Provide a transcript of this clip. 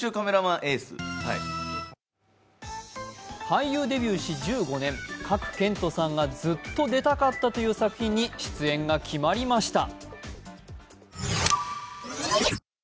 俳優デビューし１５年、賀来賢人さんがずっと出たかったという作品に出演が決まりました。